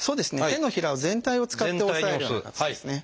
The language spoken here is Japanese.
手のひら全体を使って押さえるような形ですね。